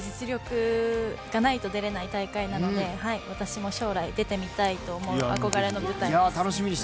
実力がないと出れない大会なので私も将来、出てみたいと思う憧れの舞台です。